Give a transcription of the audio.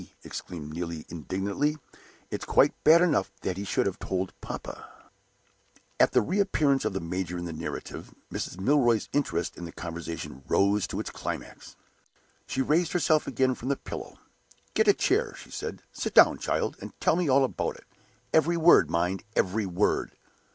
exclaimed Neelie, indignantly. "It's quite bad enough that he should have told papa." At the re appearance of the major in the narrative, Mrs. Milroy's interest in the conversation rose to its climax. She raised herself again from the pillow. "Get a chair," she said. "Sit down, child, and tell me all about it. Every word, mind every word!"